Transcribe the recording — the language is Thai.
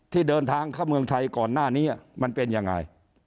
ที่เดินทางเข้าเมืองไทยก่อนหน้านี้มันเป็นยังไง